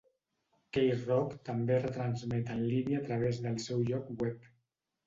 K-Rock també retransmet en línia a través del seu lloc web.